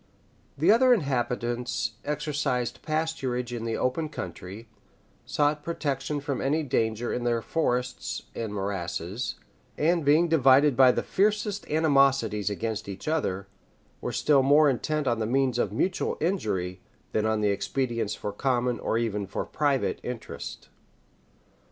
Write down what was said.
The other inhabitants exercised pasturage in the open country, sought protection from any danger in their forests and morasses, and being divided by the fiercest animosities against each other, were still more intent on the means of mutual injury than on the expedients for common or even for private interest.